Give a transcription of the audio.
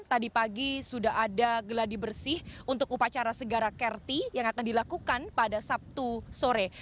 tadi pagi sudah ada geladi bersih untuk upacara segara carti yang akan dilakukan pada sabtu sore